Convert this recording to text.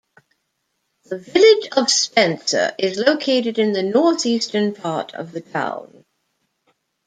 The village of Spencer is located in the northeastern part of the town.